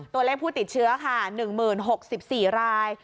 ตัวเลขผู้ติดเชื้อค่ะ๑๐๖๔ราย